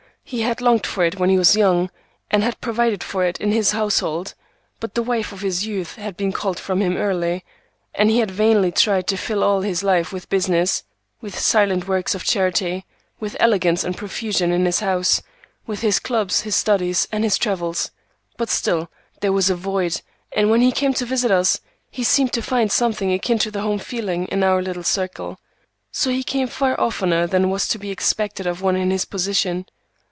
He had longed for it when he was young, and had provided for it in his household; but the wife of his youth had been called from him early, and he had vainly tried to fill all his life with business, with silent works of charity, with elegance and profusion in his house, with his clubs, his studies, and his travels; but still there was a void, and when he came to visit us, he seemed to find something akin to the home feeling in our little circle. So he came far oftener than was to be expected of one in his position.